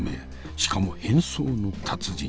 しかも変装の達人。